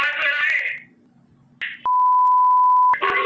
มอนาคา